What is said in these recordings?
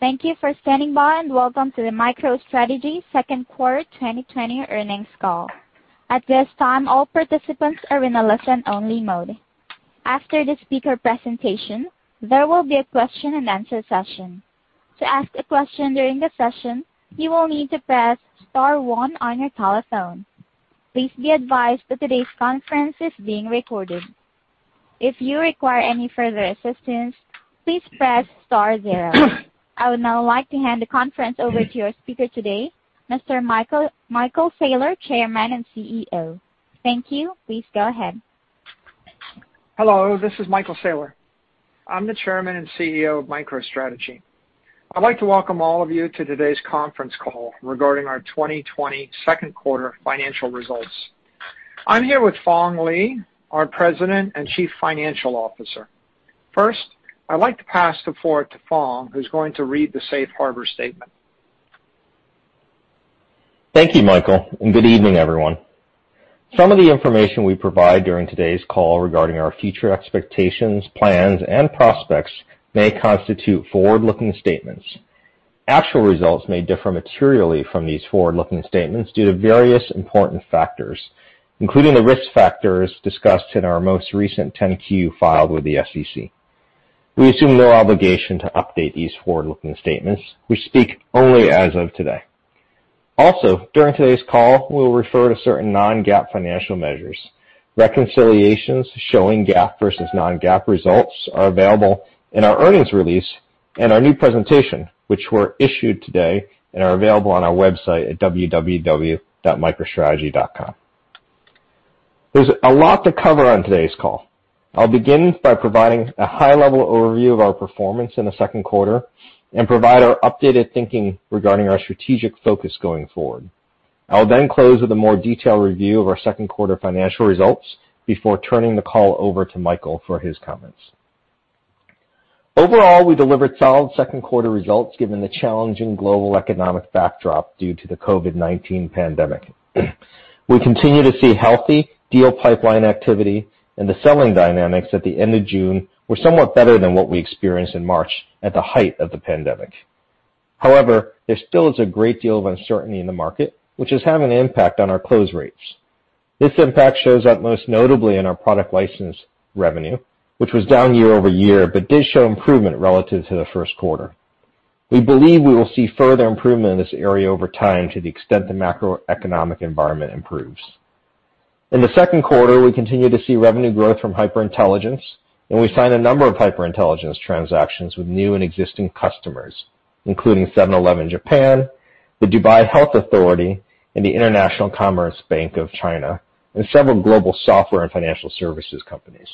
Thank you for standing by. Welcome to the MicroStrategy Second Quarter 2020 Earnings Call. At this time, all participants are in a listen-only mode. After the speaker presentation, there will be a question and answer session. To ask a question during the session, you will need to press star one on your telephone. Please be advised that today's conference is being recorded. If you require any further assistance, please press star zero. I would now like to hand the conference over to your speaker today, Mr. Michael Saylor, Chairman and CEO. Thank you. Please go ahead. Hello, this is Michael Saylor. I'm the Chairman and CEO of MicroStrategy. I'd like to welcome all of you to today's conference call regarding our 2020 second quarter financial results. I'm here with Phong Le, our President and Chief Financial Officer. First, I'd like to pass the floor to Phong, who's going to read the safe harbor statement. Thank you, Michael, and good evening, everyone. Some of the information we provide during today's call regarding our future expectations, plans, and prospects may constitute forward-looking statements. Actual results may differ materially from these forward-looking statements due to various important factors, including the risk factors discussed in our most recent 10-Q filed with the SEC. We assume no obligation to update these forward-looking statements. We speak only as of today. During today's call, we'll refer to certain non-GAAP financial measures. Reconciliations showing GAAP versus non-GAAP results are available in our earnings release and our new presentation, which were issued today and are available on our website at www.microstrategy.com. There's a lot to cover on today's call. I'll begin by providing a high-level overview of our performance in the second quarter and provide our updated thinking regarding our strategic focus going forward. I will then close with a more detailed review of our second quarter financial results before turning the call over to Michael for his comments. Overall, we delivered solid second quarter results given the challenging global economic backdrop due to the COVID-19 pandemic. The selling dynamics at the end of June were somewhat better than what we experienced in March at the height of the pandemic. There still is a great deal of uncertainty in the market, which is having an impact on our close rates. This impact shows up most notably in our product license revenue, which was down year-over-year, but did show improvement relative to the first quarter. We believe we will see further improvement in this area over time to the extent the macroeconomic environment improves. In the second quarter, we continued to see revenue growth from HyperIntelligence, and we signed a number of HyperIntelligence transactions with new and existing customers, including Seven-Eleven Japan, the Dubai Health Authority, and the Industrial and Commercial Bank of China, and several global software and financial services companies.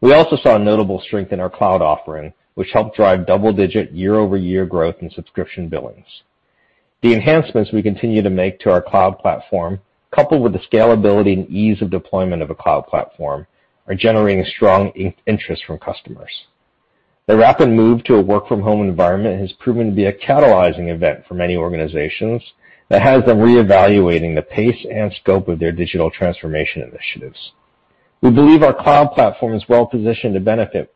We also saw notable strength in our cloud offering, which helped drive double-digit year-over-year growth in subscription billings. The enhancements we continue to make to our cloud platform, coupled with the scalability and ease of deployment of a cloud platform, are generating strong interest from customers. The rapid move to a work-from-home environment has proven to be a catalyzing event for many organizations that has them reevaluating the pace and scope of their digital transformation initiatives. We believe our cloud platform is well-positioned to benefit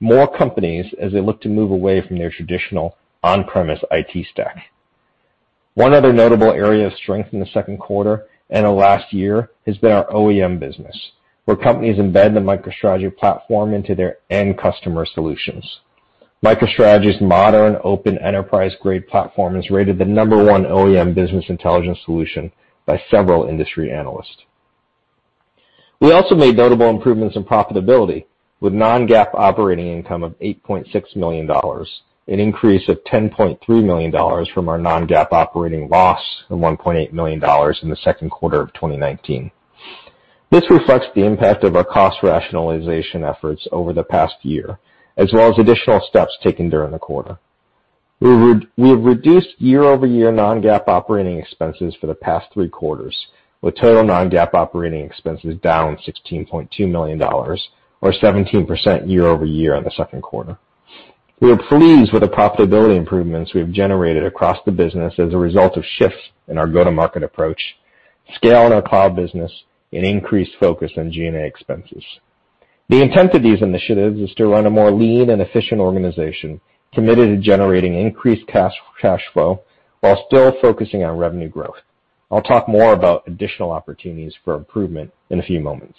more companies as they look to move away from their traditional on-premise IT stack. One other notable area of strength in the second quarter and the last year has been our OEM business, where companies embed the MicroStrategy platform into their end customer solutions. MicroStrategy's modern open enterprise-grade platform is rated the number one OEM business intelligence solution by several industry analysts. We also made notable improvements in profitability with non-GAAP operating income of $8.6 million, an increase of $10.3 million from our non-GAAP operating loss of $1.8 million in the second quarter of 2019. This reflects the impact of our cost rationalization efforts over the past year, as well as additional steps taken during the quarter. We have reduced year-over-year non-GAAP operating expenses for the past three quarters, with total non-GAAP operating expenses down $16.2 million, or 17% year-over-year on the second quarter. We are pleased with the profitability improvements we have generated across the business as a result of shifts in our go-to-market approach, scale in our cloud business, and increased focus on G&A expenses. The intent of these initiatives is to run a more lean and efficient organization committed to generating increased cash flow while still focusing on revenue growth. I'll talk more about additional opportunities for improvement in a few moments.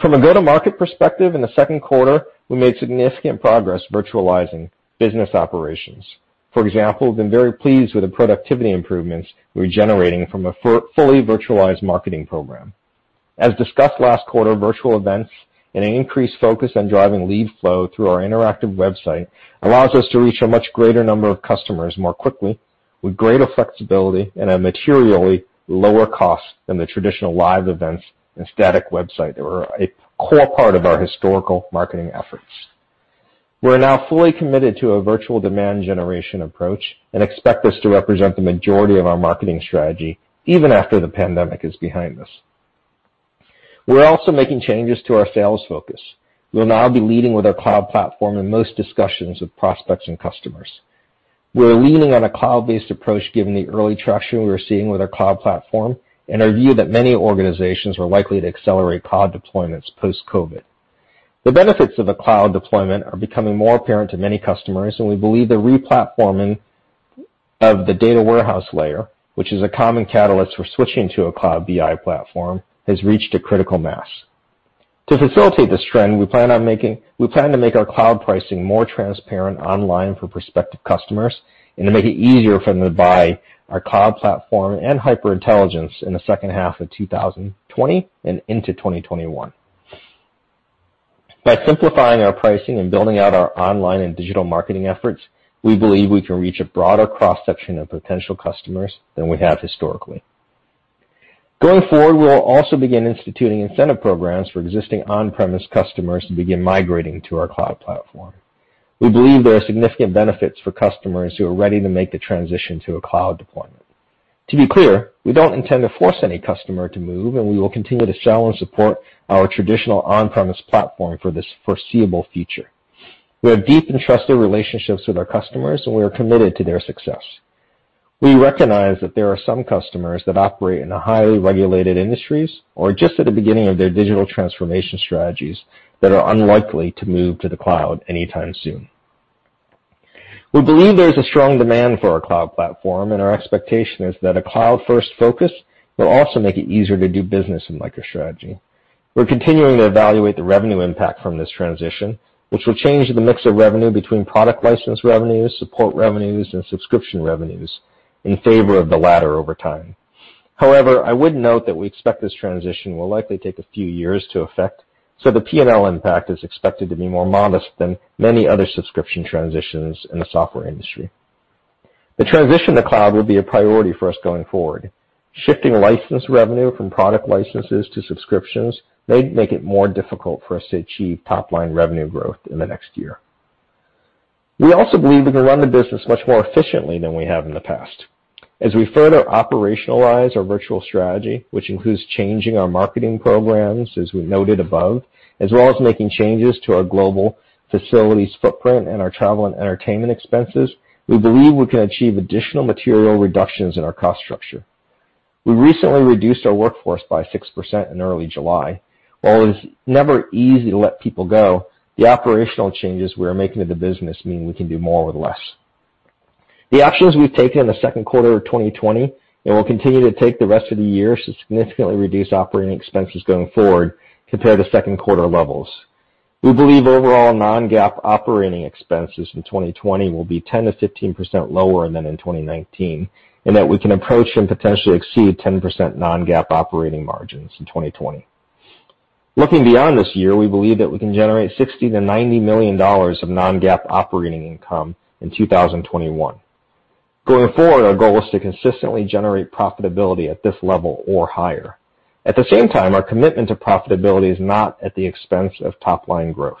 From a go-to-market perspective, in the second quarter, we made significant progress virtualizing business operations. For example, we've been very pleased with the productivity improvements we're generating from a fully virtualized marketing program. As discussed last quarter, virtual events and an increased focus on driving lead flow through our interactive website allows us to reach a much greater number of customers more quickly with greater flexibility and a materially lower cost than the traditional live events and static website that were a core part of our historical marketing efforts. We are now fully committed to a virtual demand generation approach and expect this to represent the majority of our marketing strategy even after the pandemic is behind us. We're also making changes to our sales focus. We'll now be leading with our cloud platform in most discussions with prospects and customers. We're leaning on a cloud-based approach given the early traction we're seeing with our cloud platform and our view that many organizations are likely to accelerate cloud deployments post-COVID. The benefits of a cloud deployment are becoming more apparent to many customers, and we believe the re-platforming of the data warehouse layer, which is a common catalyst for switching to a cloud BI platform, has reached a critical mass. To facilitate this trend, we plan to make our cloud pricing more transparent online for prospective customers, and to make it easier for them to buy our cloud platform and HyperIntelligence in the second half of 2020 and into 2021. By simplifying our pricing and building out our online and digital marketing efforts, we believe we can reach a broader cross-section of potential customers than we have historically. Going forward, we will also begin instituting incentive programs for existing on-premise customers to begin migrating to our cloud platform. We believe there are significant benefits for customers who are ready to make the transition to a cloud deployment. To be clear, we don't intend to force any customer to move, and we will continue to sell and support our traditional on-premise platform for this foreseeable future. We have deep and trusted relationships with our customers, and we are committed to their success. We recognize that there are some customers that operate in highly regulated industries or are just at the beginning of their digital transformation strategies that are unlikely to move to the cloud anytime soon. We believe there is a strong demand for our cloud platform, and our expectation is that a cloud-first focus will also make it easier to do business in MicroStrategy. We're continuing to evaluate the revenue impact from this transition, which will change the mix of revenue between product license revenues, support revenues, and subscription revenues in favor of the latter over time. I would note that we expect this transition will likely take a few years to affect, so the P&L impact is expected to be more modest than many other subscription transitions in the software industry. The transition to cloud will be a priority for us going forward. Shifting license revenue from product licenses to subscriptions may make it more difficult for us to achieve top-line revenue growth in the next year. We also believe we can run the business much more efficiently than we have in the past. We further operationalize our virtual strategy, which includes changing our marketing programs, as we noted above, as well as making changes to our global facilities footprint and our travel and entertainment expenses, we believe we can achieve additional material reductions in our cost structure. We recently reduced our workforce by 6% in early July. While it is never easy to let people go, the operational changes we are making to the business mean we can do more with less. The actions we've taken in the second quarter of 2020, and will continue to take the rest of the year, significantly reduce operating expenses going forward compared to second quarter levels. We believe overall non-GAAP operating expenses in 2020 will be 10%-15% lower than in 2019, and that we can approach and potentially exceed 10% non-GAAP operating margins in 2020. Looking beyond this year, we believe that we can generate $60 million-$90 million of non-GAAP operating income in 2021. Going forward, our goal is to consistently generate profitability at this level or higher. At the same time, our commitment to profitability is not at the expense of top-line growth.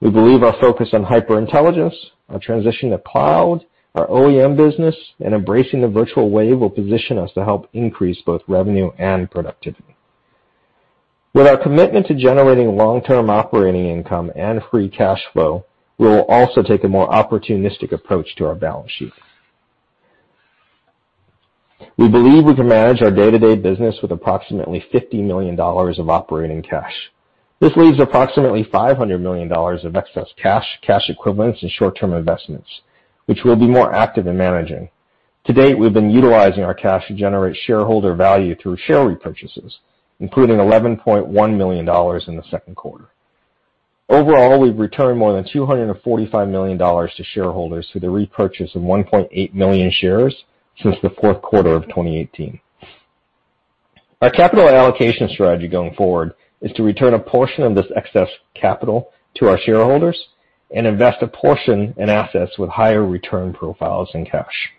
We believe our focus on HyperIntelligence, our transition to cloud, our OEM business, and embracing the virtual wave will position us to help increase both revenue and productivity. With our commitment to generating long-term operating income and free cash flow, we will also take a more opportunistic approach to our balance sheet. We believe we can manage our day-to-day business with approximately $50 million of operating cash. This leaves approximately $500 million of excess cash equivalents, and short-term investments, which we'll be more active in managing. To date, we've been utilizing our cash to generate shareholder value through share repurchases, including $11.1 million in the second quarter. Overall, we've returned more than $245 million to shareholders through the repurchase of 1.8 million shares since the fourth quarter of 2018. Our capital allocation strategy going forward is to return a portion of this excess capital to our shareholders and invest a portion in assets with higher return profiles in cash.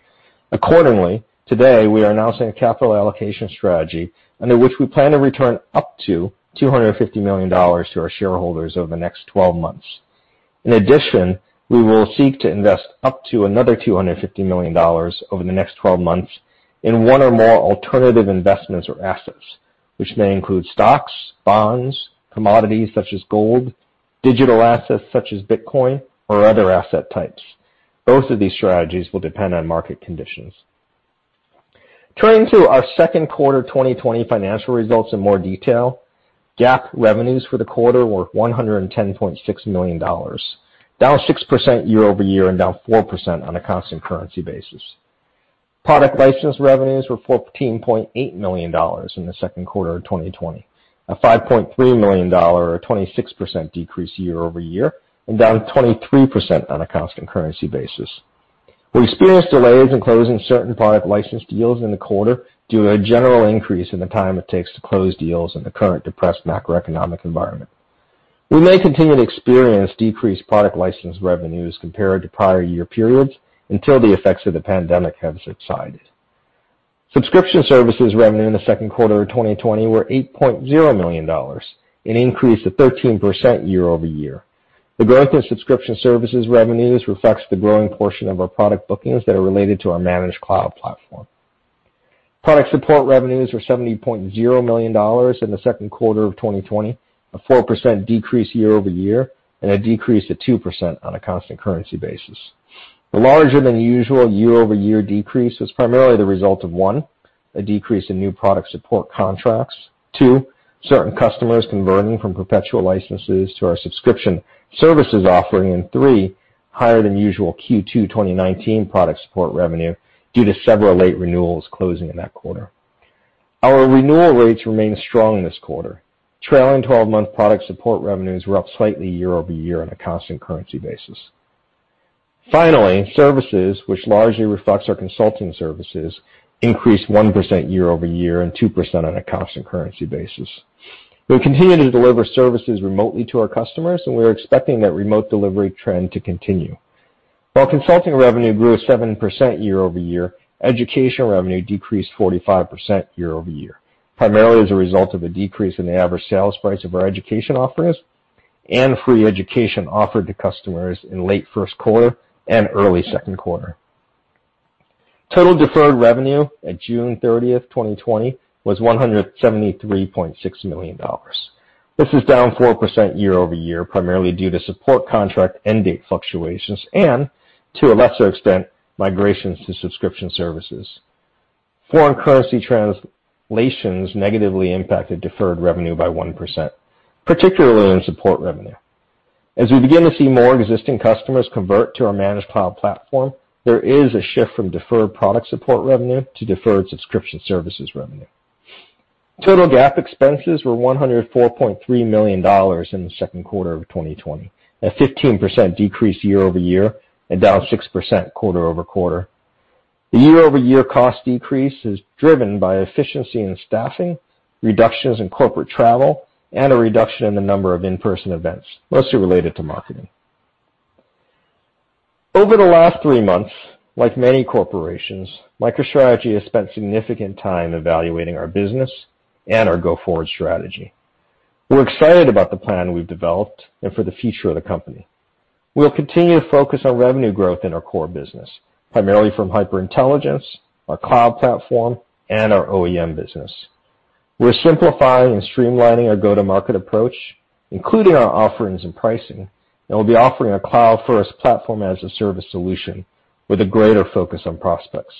Accordingly, today, we are announcing a capital allocation strategy under which we plan to return up to $250 million to our shareholders over the next 12 months. In addition, we will seek to invest up to another $250 million over the next 12 months in one or more alternative investments or assets, which may include stocks, bonds, commodities such as gold, digital assets such as Bitcoin, or other asset types. Both of these strategies will depend on market conditions. Turning to our second quarter 2020 financial results in more detail, GAAP revenues for the quarter were $110.6 million, down 6% year-over-year and down 4% on a constant currency basis. Product license revenues were $14.8 million in the second quarter of 2020, a $5.3 million or 26% decrease year-over-year, and down 23% on a constant currency basis. We experienced delays in closing certain product license deals in the quarter due to a general increase in the time it takes to close deals in the current depressed macroeconomic environment. We may continue to experience decreased product license revenues compared to prior year periods until the effects of the pandemic have subsided. Subscription services revenue in the second quarter of 2020 were $8.0 million, an increase of 13% year-over-year. The growth in subscription services revenues reflects the growing portion of our product bookings that are related to our Managed Cloud Platform. Product support revenues were $70.0 million in the second quarter of 2020, a 4% decrease year-over-year, and a decrease to 2% on a constant currency basis. The larger than usual year-over-year decrease was primarily the result of, one, a decrease in new product support contracts. Two, certain customers converting from perpetual licenses to our subscription services offering. Three, higher than usual Q2 2019 product support revenue due to several late renewals closing in that quarter. Our renewal rates remain strong this quarter. Trailing 12-month product support revenues were up slightly year-over-year on a constant currency basis. Finally, services, which largely reflects our consulting services, increased 1% year-over-year and 2% on a constant currency basis. We continue to deliver services remotely to our customers, and we are expecting that remote delivery trend to continue. While consulting revenue grew at 7% year-over-year, education revenue decreased 45% year-over-year, primarily as a result of a decrease in the average sales price of our education offerings and free education offered to customers in late first quarter and early second quarter. Total deferred revenue at June 30, 2020 was $173.6 million. This is down 4% year-over-year, primarily due to support contract end date fluctuations, and to a lesser extent, migrations to subscription services. Foreign currency translations negatively impacted deferred revenue by 1%, particularly in support revenue. As we begin to see more existing customers convert to our Managed Cloud Platform, there is a shift from deferred product support revenue to deferred subscription services revenue. Total GAAP expenses were $104.3 million in the second quarter of 2020, a 15% decrease year-over-year and down 6% quarter-over-quarter. The year-over-year cost decrease is driven by efficiency in staffing, reductions in corporate travel, and a reduction in the number of in-person events, mostly related to marketing. Over the last three months, like many corporations, MicroStrategy has spent significant time evaluating our business and our go-forward strategy. We're excited about the plan we've developed and for the future of the company. We'll continue to focus on revenue growth in our core business, primarily from HyperIntelligence, our cloud platform, and our OEM business. We're simplifying and streamlining our go-to-market approach, including our offerings and pricing, and we'll be offering a cloud-first platform-as-a-service solution with a greater focus on prospects.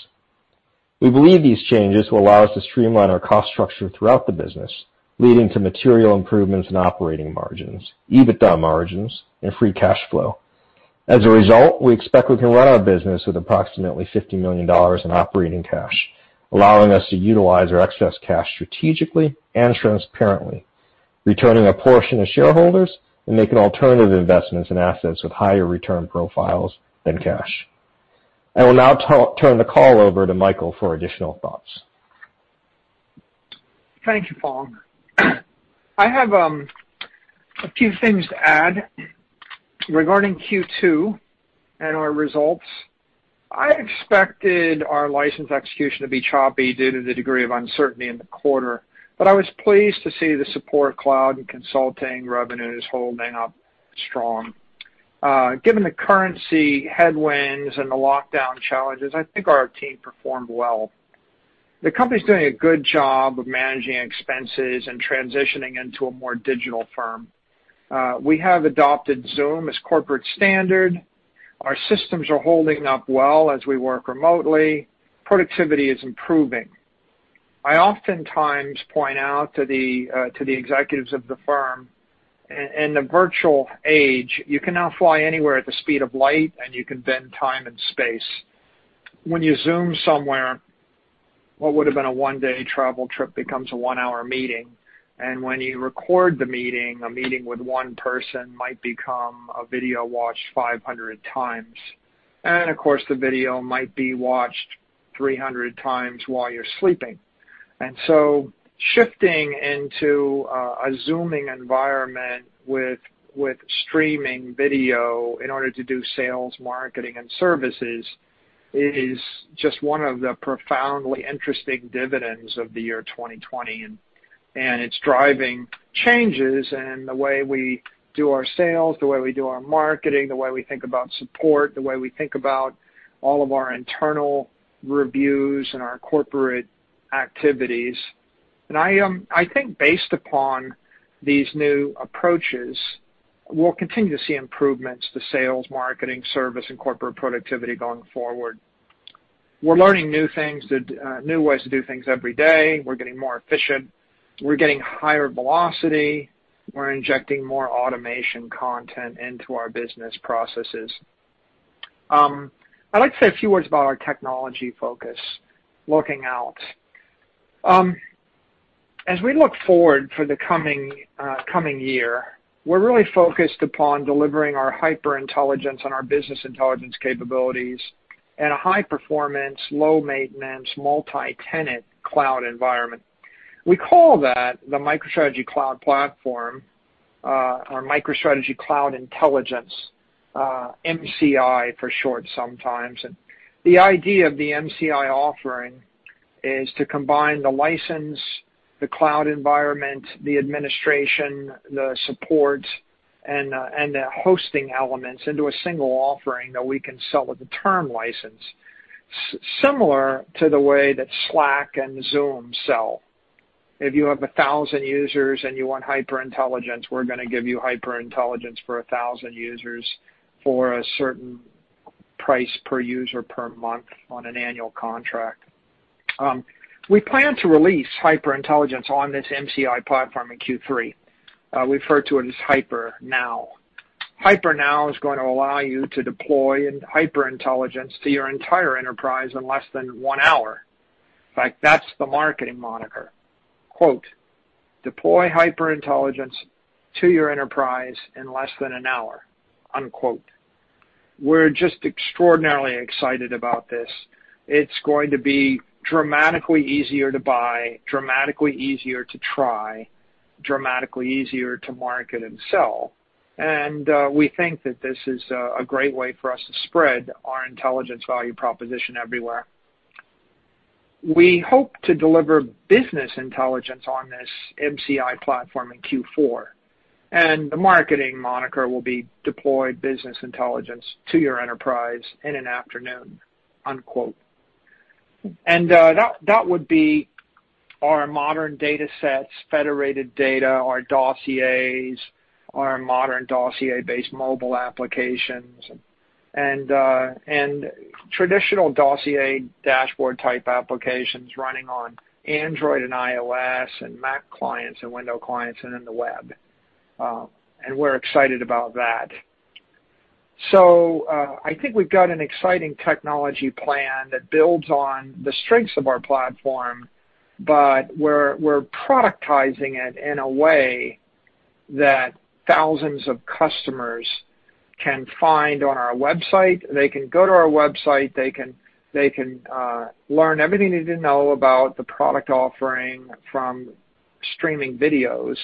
We believe these changes will allow us to streamline our cost structure throughout the business, leading to material improvements in operating margins, EBITDA margins, and free cash flow. As a result, we expect we can run our business with approximately $50 million in operating cash, allowing us to utilize our excess cash strategically and transparently, returning a portion to shareholders, and making alternative investments in assets with higher return profiles than cash. I will now turn the call over to Michael for additional thoughts. Thank you, Phong. I have a few things to add regarding Q2 and our results. I expected our license execution to be choppy due to the degree of uncertainty in the quarter, but I was pleased to see the support cloud and consulting revenues holding up strong. Given the currency headwinds and the lockdown challenges, I think our team performed well. The company's doing a good job of managing expenses and transitioning into a more digital firm. We have adopted Zoom as corporate standard. Our systems are holding up well as we work remotely. Productivity is improving. I oftentimes point out to the executives of the firm, in the virtual age, you can now fly anywhere at the speed of light, and you can bend time and space. When you Zoom somewhere, what would've been a one-day travel trip becomes a one-hour meeting, and when you record the meeting, a meeting with one person might become a video watched 500 times. Of course, the video might be watched 300 times while you're sleeping. Shifting into a Zooming environment with streaming video in order to do sales, marketing, and services is just one of the profoundly interesting dividends of the year 2020, and it's driving changes in the way we do our sales, the way we do our marketing, the way we think about support, the way we think about all of our internal reviews and our corporate activities. I think based upon these new approaches, we'll continue to see improvements to sales, marketing, service, and corporate productivity going forward. We're learning new ways to do things every day. We're getting more efficient. We're getting higher velocity. We're injecting more automation content into our business processes. I'd like to say a few words about our technology focus looking out. As we look forward for the coming year, we're really focused upon delivering our HyperIntelligence and our business intelligence capabilities in a high-performance, low-maintenance, multi-tenant cloud environment. We call that the MicroStrategy Cloud Platform, or MicroStrategy Cloud Intelligence, MCI for short sometimes. The idea of the MCI offering is to combine the license, the cloud environment, the administration, the support and the hosting elements into a single offering that we can sell with a term license, similar to the way that Slack and Zoom sell. If you have 1,000 users and you want HyperIntelligence, we're going to give you HyperIntelligence for 1,000 users for a certain price per user per month on an annual contract. We plan to release HyperIntelligence on this MCI platform in Q3. We refer to it as HyperNow. HyperNow is going to allow you to deploy HyperIntelligence to your entire enterprise in less than one hour. In fact, that's the marketing moniker. "Deploy HyperIntelligence to your enterprise in less than an hour." We're just extraordinarily excited about this. It's going to be dramatically easier to buy, dramatically easier to try, dramatically easier to market and sell. We think that this is a great way for us to spread our intelligence value proposition everywhere. We hope to deliver business intelligence on this MCI platform in Q4, and the marketing moniker will be, "Deploy business intelligence to your enterprise in an afternoon." That would be our modern datasets, federated data, our dossiers, our modern dossier-based mobile applications, and traditional dossier dashboard-type applications running on Android and iOS and Mac clients and Windows clients, and in the web. We're excited about that. I think we've got an exciting technology plan that builds on the strengths of our platform, but we're productizing it in a way that thousands of customers can find on our website. They can go to our website, they can learn everything they need to know about the product offering from streaming videos.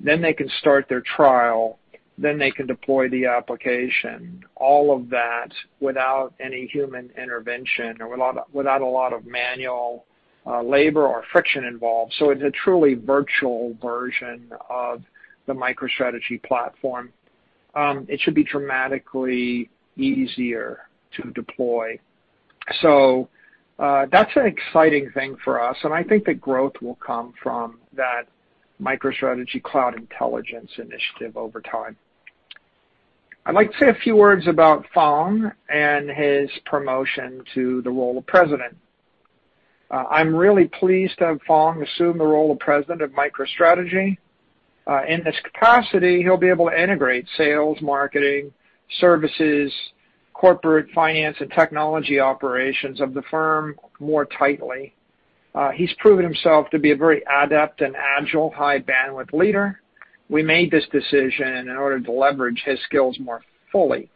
They can start their trial, they can deploy the application, all of that without any human intervention or without a lot of manual labor or friction involved. It's a truly virtual version of the MicroStrategy platform. It should be dramatically easier to deploy. That's an exciting thing for us, and I think the growth will come from that MicroStrategy Cloud Intelligence Initiative over time. I'd like to say a few words about Phong and his promotion to the role of president. I'm really pleased to have Phong assume the role of President of MicroStrategy. In this capacity, he'll be able to integrate sales, marketing, services, corporate finance, and technology operations of the firm more tightly. He's proven himself to be a very adept and agile, high-bandwidth leader. We made this decision in order to leverage his skills more fully.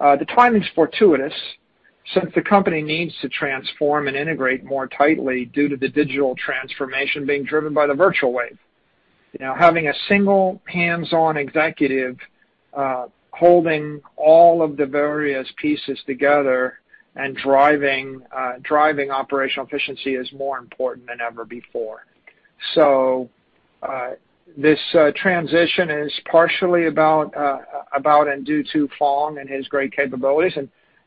The timing's fortuitous since the company needs to transform and integrate more tightly due to the digital transformation being driven by the virtual wave. Having a single hands-on executive holding all of the various pieces together and driving operational efficiency is more important than ever before. This transition is partially about and due to Phong and his great capabilities,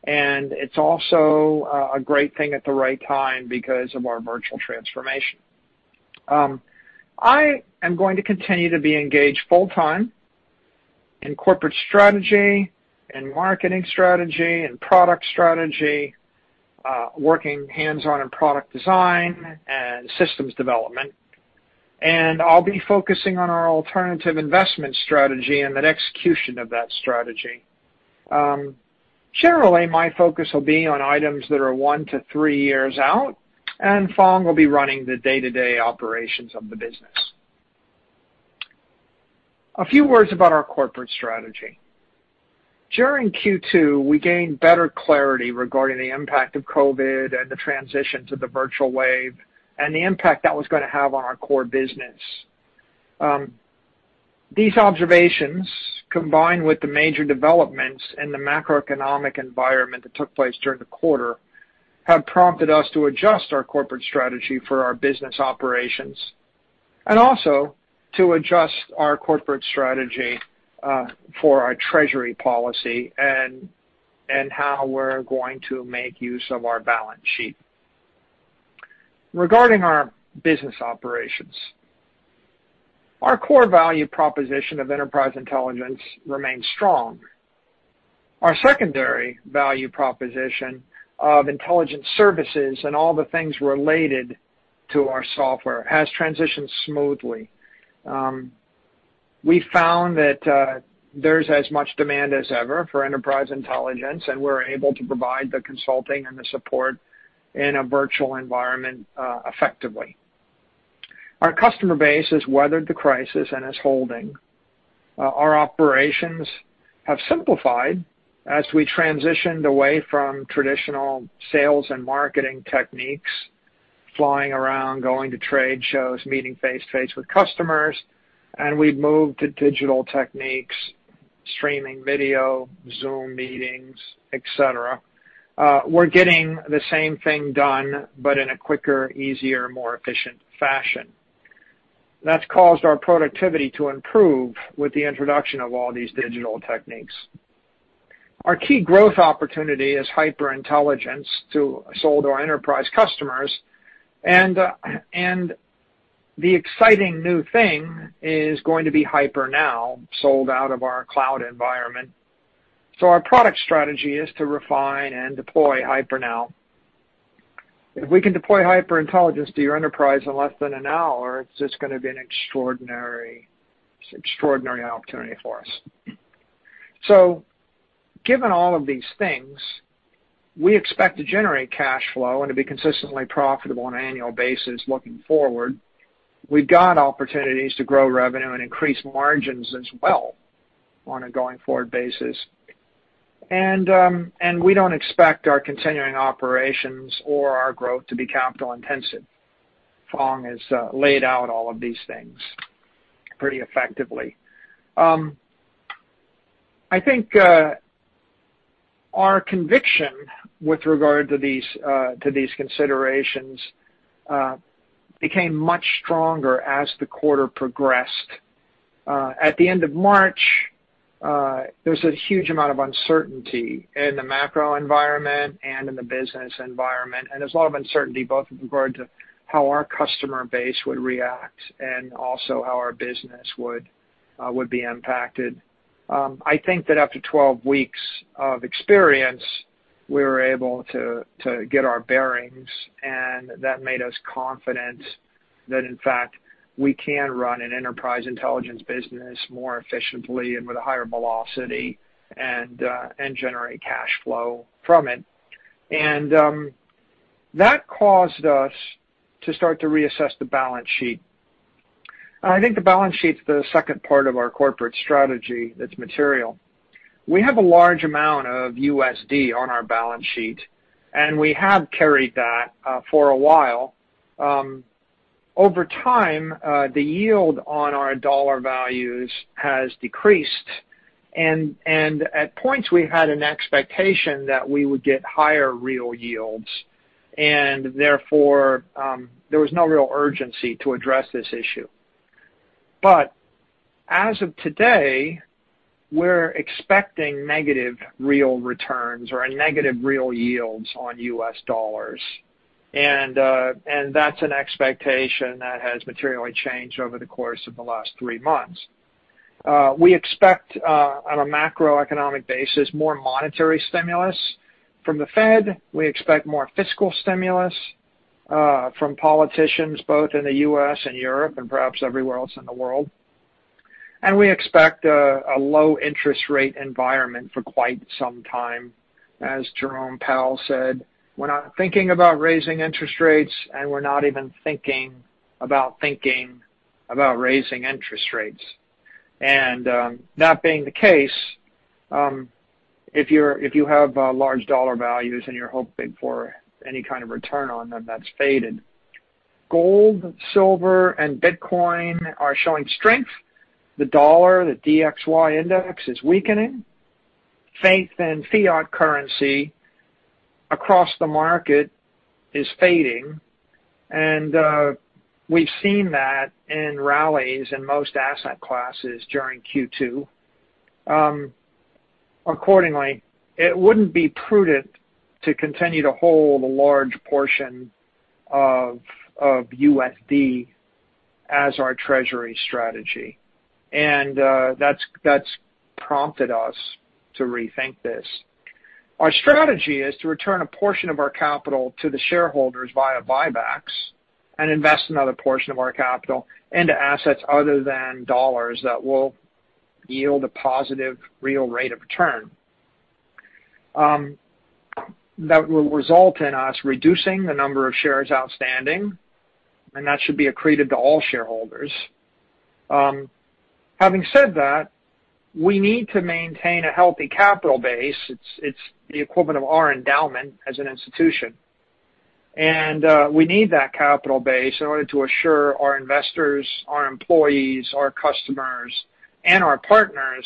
and it's also a great thing at the right time because of our virtual transformation. I am going to continue to be engaged full-time in corporate strategy, in marketing strategy, in product strategy, working hands-on in product design and systems development. I'll be focusing on our alternative investment strategy and the execution of that strategy. Generally, my focus will be on items that are one to three years out, and Phong will be running the day-to-day operations of the business. A few words about our corporate strategy. During Q2, we gained better clarity regarding the impact of COVID-19 and the transition to the virtual wave, and the impact that was going to have on our core business. These observations, combined with the major developments in the macroeconomic environment that took place during the quarter, have prompted us to adjust our corporate strategy for our business operations. Also to adjust our corporate strategy for our treasury policy and how we're going to make use of our balance sheet. Regarding our business operations, our core value proposition of enterprise intelligence remains strong. Our secondary value proposition of intelligence services and all the things related to our software has transitioned smoothly. We found that there's as much demand as ever for enterprise intelligence, and we're able to provide the consulting and the support in a virtual environment effectively. Our customer base has weathered the crisis and is holding. Our operations have simplified as we transitioned away from traditional sales and marketing techniques, flying around, going to trade shows, meeting face-to-face with customers, and we've moved to digital techniques. Streaming video, Zoom meetings, et cetera. We're getting the same thing done, but in a quicker, easier, more efficient fashion. That's caused our productivity to improve with the introduction of all these digital techniques. Our key growth opportunity is HyperIntelligence to sell our enterprise customers, and the exciting new thing is going to be HyperNow sold out of our cloud environment. Our product strategy is to refine and deploy HyperNow. If we can deploy HyperIntelligence to your enterprise in less than an hour, it's just going to be an extraordinary opportunity for us. Given all of these things, we expect to generate cash flow and to be consistently profitable on an annual basis looking forward. We've got opportunities to grow revenue and increase margins as well on a going-forward basis. We don't expect our continuing operations or our growth to be capital-intensive. Phong has laid out all of these things pretty effectively. I think our conviction with regard to these considerations became much stronger as the quarter progressed. At the end of March, there was a huge amount of uncertainty in the macro environment and in the business environment, and there was a lot of uncertainty both with regard to how our customer base would react and also how our business would be impacted. I think that after 12 weeks of experience, we were able to get our bearings, and that made us confident that, in fact, we can run an enterprise intelligence business more efficiently and with a higher velocity and generate cash flow from it. That caused us to start to reassess the balance sheet. I think the balance sheet's the second part of our corporate strategy that's material. We have a large amount of USD on our balance sheet, and we have carried that for a while. Over time, the yield on our dollar values has decreased, and at points we had an expectation that we would get higher real yields, and therefore, there was no real urgency to address this issue. As of today, we're expecting negative real returns or negative real yields on U.S. dollars, and that's an expectation that has materially changed over the course of the last three months. We expect, on a macroeconomic basis, more monetary stimulus from the Fed. We expect more fiscal stimulus from politicians, both in the U.S. and Europe, and perhaps everywhere else in the world. We expect a low-interest rate environment for quite some time. As Jerome Powell said, "We're not thinking about raising interest rates, and we're not even thinking about thinking about raising interest rates." That being the case, if you have large dollar values and you're hoping for any kind of return on them, that's faded. Gold, silver, and Bitcoin are showing strength. The dollar, the DXY index, is weakening. Faith in fiat currency across the market is fading. We've seen that in rallies in most asset classes during Q2. Accordingly, it wouldn't be prudent to continue to hold a large portion of USD as our treasury strategy. That's prompted us to rethink this. Our strategy is to return a portion of our capital to the shareholders via buybacks and invest another portion of our capital into assets other than dollars that will yield a positive real rate of return. That will result in us reducing the number of shares outstanding, and that should be accreted to all shareholders. Having said that, we need to maintain a healthy capital base. It's the equivalent of our endowment as an institution. We need that capital base in order to assure our investors, our employees, our customers, and our partners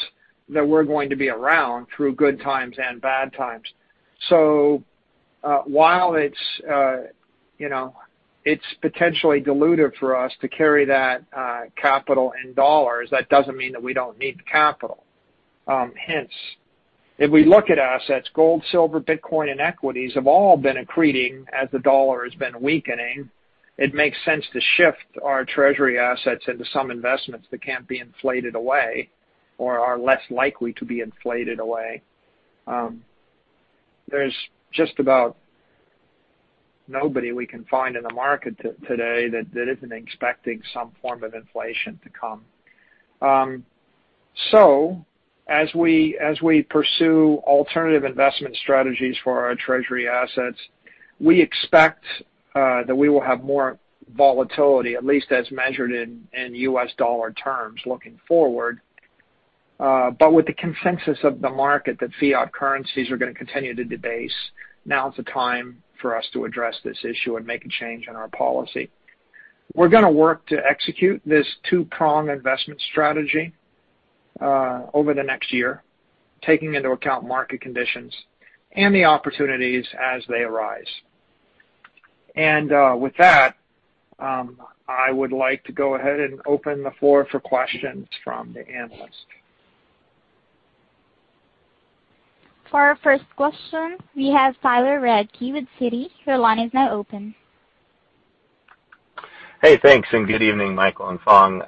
that we're going to be around through good times and bad times. While it's potentially dilutive for us to carry that capital in dollars, that doesn't mean that we don't need the capital. Hence, if we look at assets, gold, silver, Bitcoin, and equities have all been accreting as the dollar has been weakening. It makes sense to shift our treasury assets into some investments that can't be inflated away or are less likely to be inflated away. There's just about nobody we can find in the market today that isn't expecting some form of inflation to come. As we pursue alternative investment strategies for our treasury assets, we expect that we will have more volatility, at least as measured in U.S. dollar terms looking forward. With the consensus of the market that fiat currencies are going to continue to debase, now is the time for us to address this issue and make a change in our policy. We're going to work to execute this two-pronged investment strategy over the next year, taking into account market conditions and the opportunities as they arise. With that, I would like to go ahead and open the floor for questions from the analysts. For our first question, we have Tyler Radke with Citi. Your line is now open. Thanks, good evening, Michael and Phong.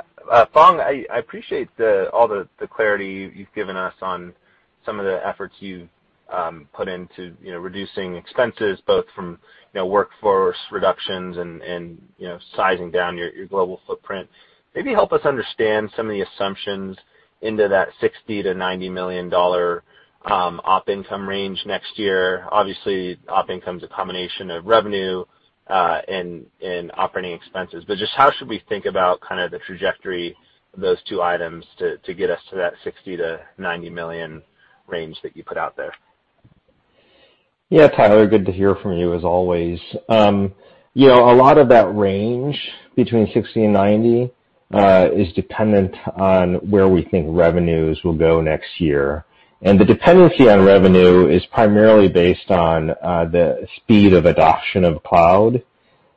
Phong, I appreciate all the clarity you've given us on some of the efforts you've put into reducing expenses, both from workforce reductions and sizing down your global footprint. Maybe help us understand some of the assumptions into that $60 million-$90 million op income range next year. Obviously, op income's a combination of revenue and operating expenses. Just how should we think about the trajectory of those two items to get us to that $60 million-$90 million range that you put out there? Yeah, Tyler, good to hear from you, as always. A lot of that range between $60 million and $90 million is dependent on where we think revenues will go next year. The dependency on revenue is primarily based on the speed of adoption of cloud.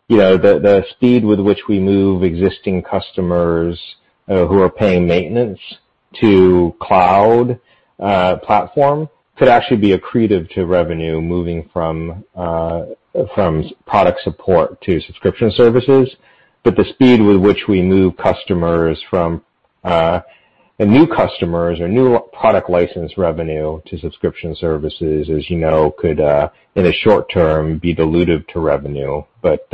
The speed with which we move existing customers who are paying maintenance to cloud platform could actually be accretive to revenue moving from product support to subscription services. The speed with which we move customers from new customers or new product license revenue to subscription services, as you know, could, in the short term, be dilutive to revenue, but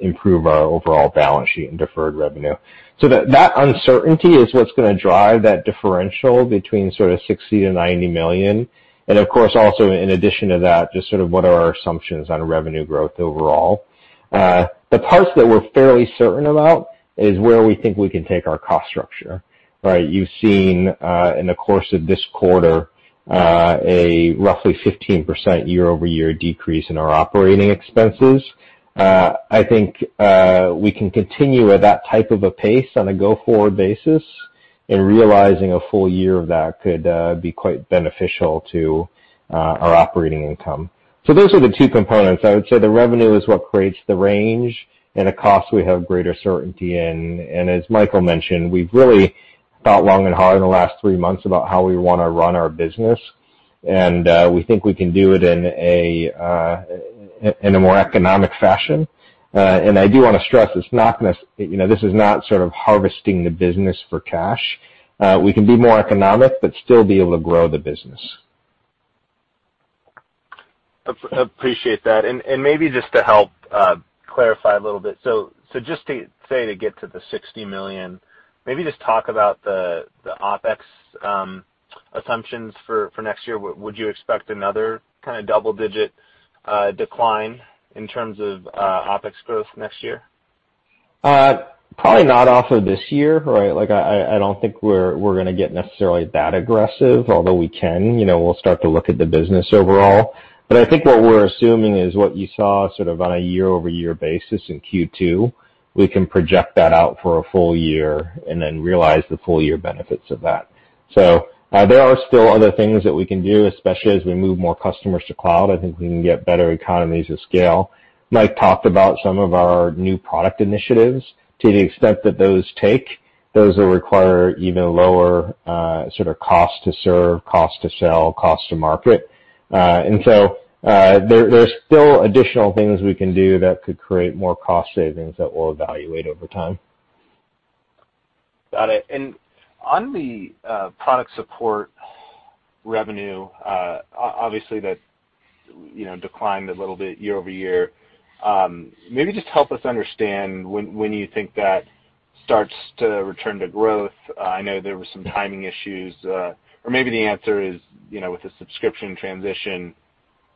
improve our overall balance sheet and deferred revenue. That uncertainty is what's going to drive that differential between sort of $60 million-$90 million. Of course, also in addition to that, just sort of what are our assumptions on revenue growth overall. The parts that we're fairly certain about is where we think we can take our cost structure. You've seen, in the course of this quarter, a roughly 15% year-over-year decrease in our operating expenses. I think we can continue at that type of a pace on a go-forward basis, realizing a full year of that could be quite beneficial to our operating income. Those are the two components. I would say the revenue is what creates the range, the cost we have greater certainty in. As Michael mentioned, we've really thought long and hard in the last three months about how we want to run our business, we think we can do it in a more economic fashion. I do want to stress, this is not sort of harvesting the business for cash. We can be more economic but still be able to grow the business. Appreciate that. Maybe just to help clarify a little bit, just say to get to the $60 million, maybe just talk about the OpEx assumptions for next year. Would you expect another kind of double-digit decline in terms of OpEx growth next year? Probably not off of this year. I don't think we're going to get necessarily that aggressive, although we can. We'll start to look at the business overall. I think what we're assuming is what you saw sort of on a year-over-year basis in Q2. We can project that out for a full year and then realize the full-year benefits of that. There are still other things that we can do, especially as we move more customers to cloud. I think we can get better economies of scale. Mike talked about some of our new product initiatives. To the extent that those take, those will require even lower sort of cost to serve, cost to sell, cost to market. There's still additional things we can do that could create more cost savings that we'll evaluate over time. Got it. On the product support revenue, obviously that declined a little bit year-over-year. Maybe just help us understand when you think that starts to return to growth. I know there were some timing issues. Maybe the answer is, with the subscription transition,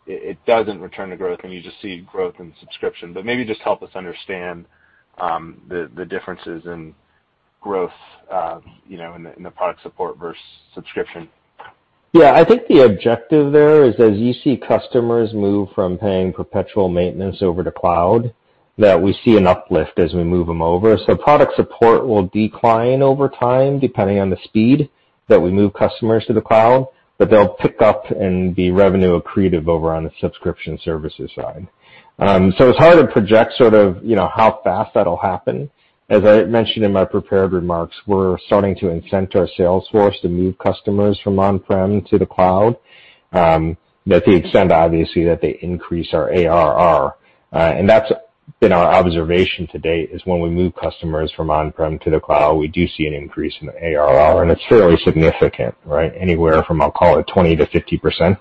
it doesn't return to growth, and you just see growth in subscription. Maybe just help us understand the differences in growth in the product support versus subscription. I think the objective there is as you see customers move from paying perpetual maintenance over to cloud, that we see an uplift as we move them over. Product support will decline over time, depending on the speed that we move customers to the cloud. They'll pick up and be revenue accretive over on the subscription services side. It's hard to project sort of how fast that'll happen. As I mentioned in my prepared remarks, we're starting to incent our sales force to move customers from on-prem to the cloud, to the extent, obviously, that they increase our ARR. That's been our observation to date, is when we move customers from on-prem to the cloud, we do see an increase in the ARR, and it's fairly significant. Anywhere from, I'll call it, 20%-50%.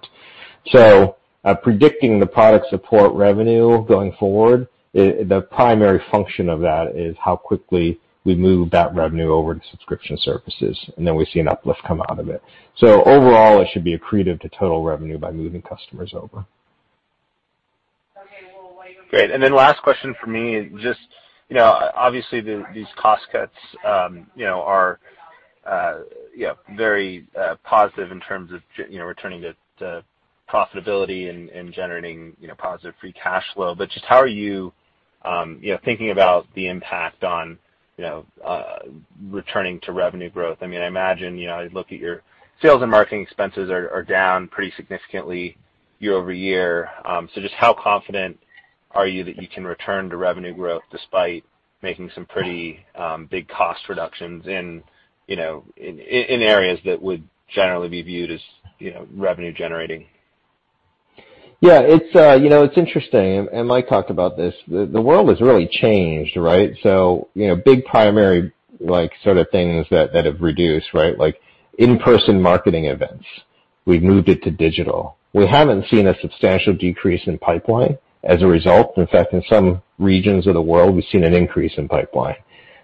Predicting the product support revenue going forward, the primary function of that is how quickly we move that revenue over to subscription services, and then we see an uplift come out of it. Overall, it should be accretive to total revenue by moving customers over. Great. Last question from me. Obviously, these cost cuts are very positive in terms of returning to profitability and generating positive free cash flow. Just how are you thinking about the impact on returning to revenue growth? I imagine, I look at your sales and marketing expenses are down pretty significantly year-over-year. Just how confident are you that you can return to revenue growth despite making some pretty big cost reductions in areas that would generally be viewed as revenue generating? Yeah. It's interesting, Mike talked about this. The world has really changed, right? Big primary things that have reduced. Like in-person marketing events, we've moved it to digital. We haven't seen a substantial decrease in pipeline as a result. In fact, in some regions of the world, we've seen an increase in pipeline.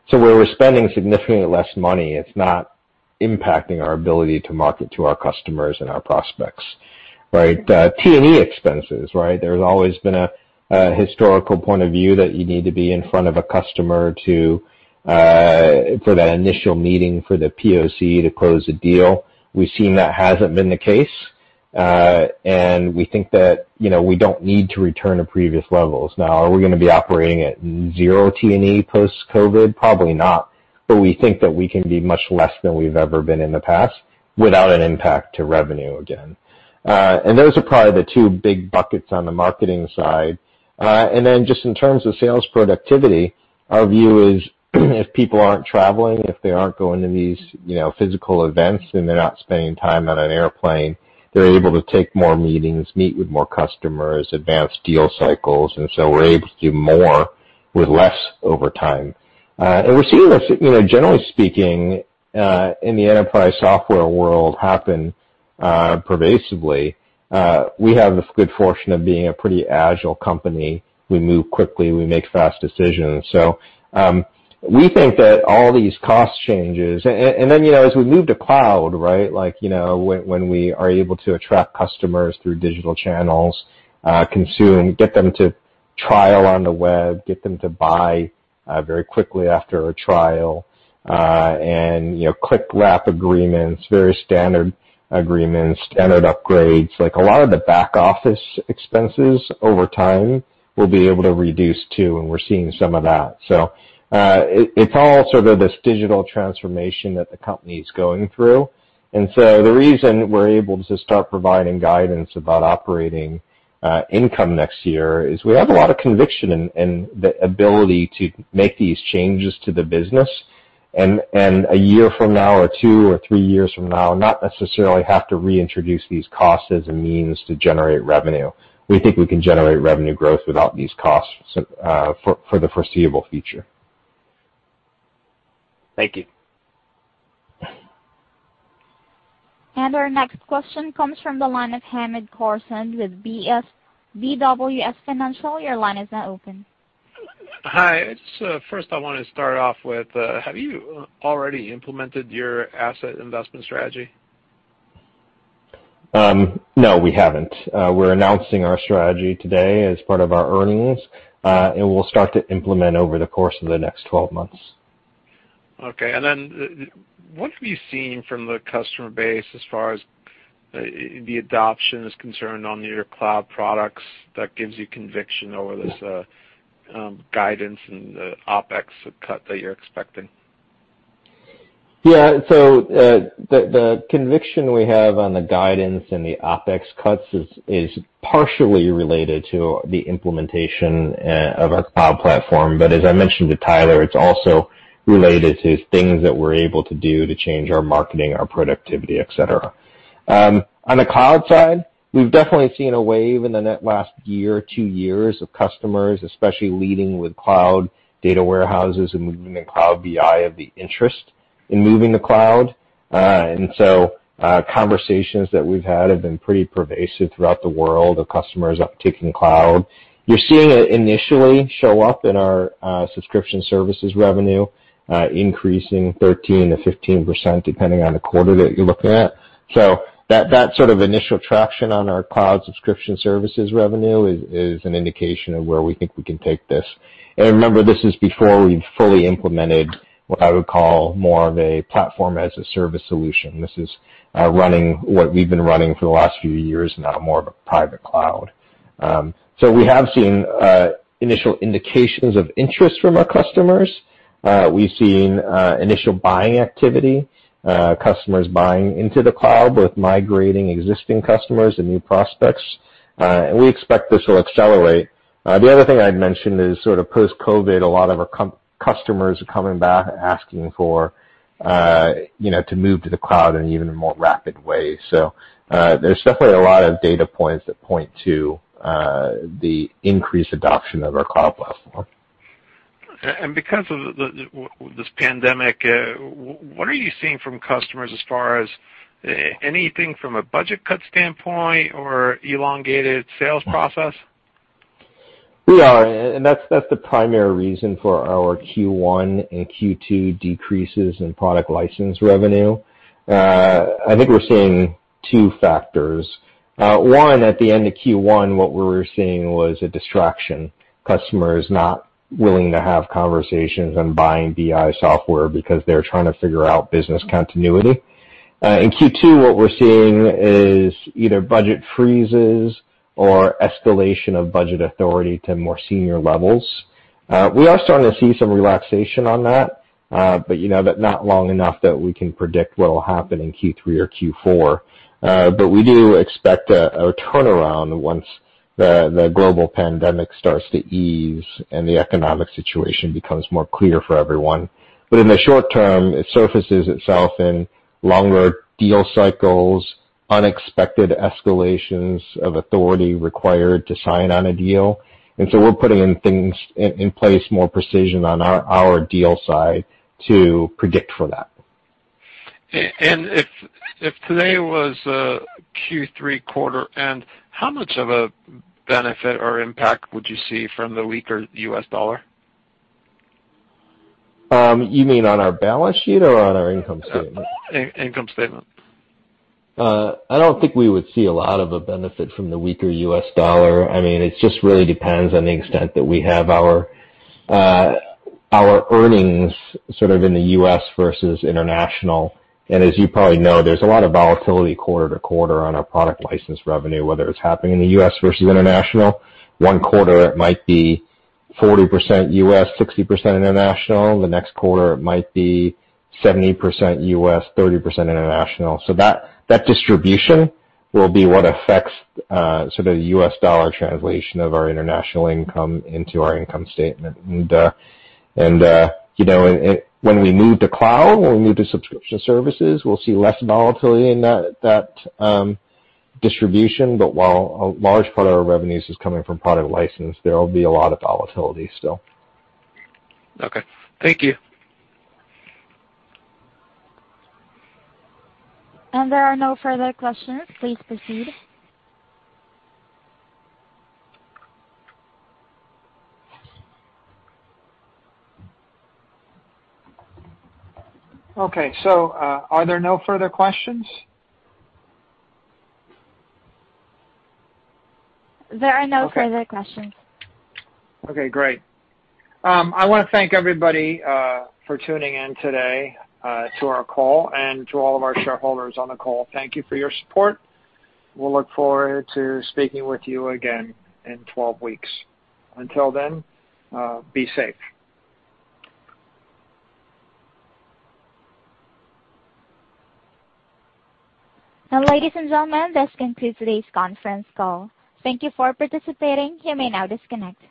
Where we're spending significantly less money, it's not impacting our ability to market to our customers and our prospects, right? T&E expenses. There's always been a historical point of view that you need to be in front of a customer for that initial meeting, for the POC to close a deal. We've seen that hasn't been the case, and we think that we don't need to return to previous levels. Are we going to be operating at zero T&E post-COVID? Probably not. We think that we can be much less than we've ever been in the past without an impact to revenue again. Those are probably the two big buckets on the marketing side. Then just in terms of sales productivity, our view is if people aren't traveling, if they aren't going to these physical events, and they're not spending time on an airplane, they're able to take more meetings, meet with more customers, advance deal cycles, and so we're able to do more with less over time. We're seeing this, generally speaking, in the enterprise software world happen pervasively. We have the good fortune of being a pretty agile company. We move quickly. We make fast decisions. We think that all these cost changes, and then as we move to cloud, when we are able to attract customers through digital channels, consume, get them to trial on the web, get them to buy very quickly after a trial, and click wrap agreements, very standard agreements, standard upgrades. A lot of the back-office expenses over time we'll be able to reduce, too, and we're seeing some of that. It's all sort of this digital transformation that the company's going through. The reason we're able to start providing guidance about operating income next year is we have a lot of conviction in the ability to make these changes to the business, and a year from now, or two or three years from now, not necessarily have to reintroduce these costs as a means to generate revenue. We think we can generate revenue growth without these costs for the foreseeable future. Thank you. Our next question comes from the line of Hamed Khorsand with BWS Financial. Your line is now open. Hi. First I want to start off with, have you already implemented your asset investment strategy? No, we haven't. We're announcing our strategy today as part of our earnings, and we'll start to implement over the course of the next 12 months. Okay. What have you seen from the customer base as far as the adoption is concerned on your cloud products that gives you conviction over this guidance and the OpEx cut that you're expecting? The conviction we have on the guidance and the OpEx cuts is partially related to the implementation of our cloud platform. As I mentioned to Tyler, it's also related to things that we're able to do to change our marketing, our productivity, et cetera. On the cloud side, we've definitely seen a wave in the net last year or two years of customers, especially leading with cloud data warehouses and moving to cloud BI of the interest in moving to cloud. Conversations that we've had have been pretty pervasive throughout the world of customers uptaking cloud. You're seeing it initially show up in our subscription services revenue, increasing 13%-15%, depending on the quarter that you're looking at. That sort of initial traction on our cloud subscription services revenue is an indication of where we think we can take this. Remember, this is before we've fully implemented what I would call more of a platform as a service solution. This is what we've been running for the last few years now, more of a private cloud. We have seen initial indications of interest from our customers. We've seen initial buying activity, customers buying into the cloud, both migrating existing customers and new prospects. We expect this will accelerate. The other thing I'd mention is sort of post-COVID, a lot of our customers are coming back asking to move to the cloud in even a more rapid way. There's definitely a lot of data points that point to the increased adoption of our Cloud Platform. Because of this pandemic, what are you seeing from customers as far as anything from a budget cut standpoint or elongated sales process? We are, and that's the primary reason for our Q1 and Q2 decreases in product license revenue. I think we're seeing two factors. One, at the end of Q1, what we were seeing was a distraction. Customers not willing to have conversations on buying BI software because they're trying to figure out business continuity. In Q2, what we're seeing is either budget freezes or escalation of budget authority to more senior levels. We are starting to see some relaxation on that, but not long enough that we can predict what'll happen in Q3 or Q4. We do expect a turnaround once the global pandemic starts to ease and the economic situation becomes more clear for everyone. In the short term, it surfaces itself in longer deal cycles, unexpected escalations of authority required to sign on a deal. We're putting things in place, more precision on our deal side to predict for that. If today was a Q3 quarter, and how much of a benefit or impact would you see from the weaker U.S. dollar? You mean on our balance sheet or on our income statement? Income statement. I don't think we would see a lot of a benefit from the weaker U.S. dollar. It just really depends on the extent that we have our earnings sort of in the U.S. versus international. As you probably know, there's a lot of volatility quarter to quarter on our product license revenue, whether it's happening in the U.S. versus international. One quarter it might be 40% U.S., 60% international. The next quarter it might be 70% U.S., 30% international. That distribution will be what affects sort of the U.S. dollar translation of our international income into our income statement. When we move to cloud, when we move to subscription services, we'll see less volatility in that distribution. While a large part of our revenues is coming from product license, there'll be a lot of volatility still. Okay. Thank you. There are no further questions. Please proceed. Okay, are there no further questions? There are no further questions. Okay, great. I want to thank everybody for tuning in today to our call. To all of our shareholders on the call, thank you for your support. We'll look forward to speaking with you again in 12 weeks. Until then, be safe. Ladies and gentlemen, this concludes today's conference call. Thank you for participating. You may now disconnect.